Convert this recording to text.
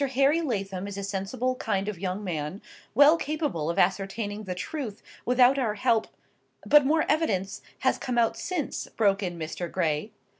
Harry Lathom is a sensible kind of young man, well capable of ascertaining the truth without our help—" "But more evidence has come out since," broke in Mr. Gray.